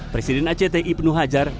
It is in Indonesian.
presiden act ibn hajar